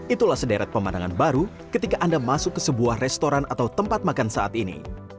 itulah sederet pemandangan baru ketika anda masuk ke sebuah restoran atau tempat makan saat ini